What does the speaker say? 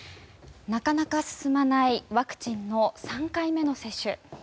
なかなか進まないワクチンの３回目の接種。